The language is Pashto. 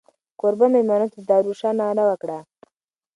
کوربه مېلمنو ته د دارو شه ناره وکړه.